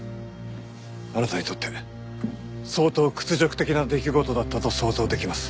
あなたにとって相当屈辱的な出来事だったと想像できます。